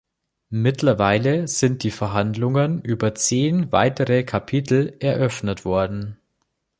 Mittlerweile sind die Verhandlungen über zehn weitere Kapitel eröffnet worden.